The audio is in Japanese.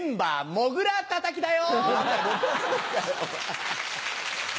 もぐらたたきかよ！